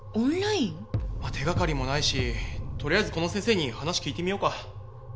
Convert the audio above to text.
手がかりもないしとりあえずこの先生に話聞いてみようか。